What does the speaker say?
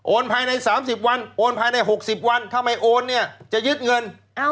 โอนภายใน๓๐วันโอนภายใน๖๐วันทำไมโอนจะยึดเงิน